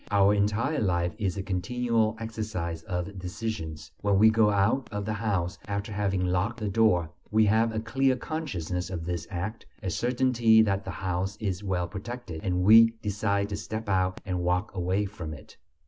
Our entire life is a continual exercise of decisions. When we go out of the house after having locked the door, we have a clear consciousness of this act, a certainty that the house is well protected, and we decide to step out and walk away from it.